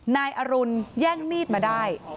นายอรุณแย่งมีดมาได้